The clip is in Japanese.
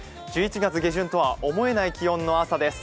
１１月下旬とは思えない気温の朝です。